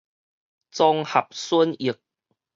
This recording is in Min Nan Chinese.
綜合損益